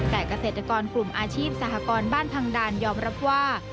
แต่เกษตรกรกลุ่มอาชีพสหกรบ้านพังดานยอมรับว่า